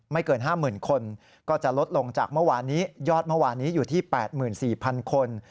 เกิน๕๐๐๐คนก็จะลดลงจากเมื่อวานนี้ยอดเมื่อวานนี้อยู่ที่๘๔๐๐คน